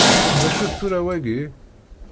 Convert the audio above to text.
D acu-t tura wagi?